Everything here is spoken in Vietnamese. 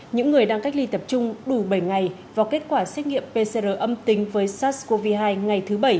những người đang cách ly tập trung đủ bảy ngày và kết quả xét nghiệm pcr âm tính với sars cov hai ngày thứ bảy